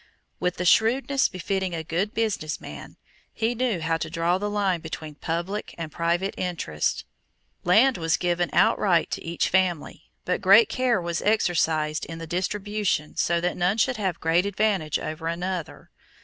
With the shrewdness befitting a good business man, he knew how to draw the line between public and private interest. Land was given outright to each family, but great care was exercised in the distribution so that none should have great advantage over another.